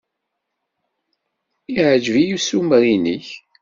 Yeɛjeb-iyi ussumer-nnek.